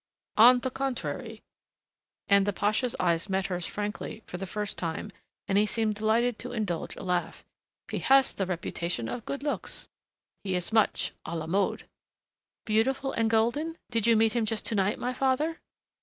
"On the contrary," and the pasha's eyes met hers frankly for the first time and he seemed delighted to indulge a laugh, "he has the reputation of good looks. He is much à la mode." "Beautiful and golden did you meet him just to night, my father?"